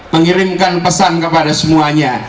mengirimkan pesan kepada semuanya